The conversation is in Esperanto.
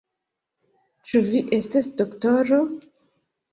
Ĉu vi estas doktoro?